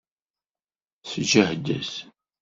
Sǧehdet!